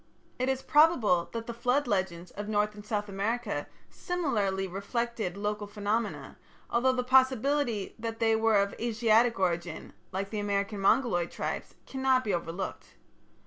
It is probable that the flood legends of North and South America similarly reflected local phenomena, although the possibility that they were of Asiatic origin, like the American Mongoloid tribes, cannot be overlooked.